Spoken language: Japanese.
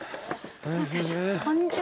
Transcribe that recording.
こんにちは。